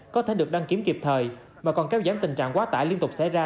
có thể được đăng kiểm kịp thời mà còn kéo giảm tình trạng quá tải liên tục xảy ra